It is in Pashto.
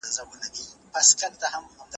د لګښتونو کنټرول خورا اړین دی.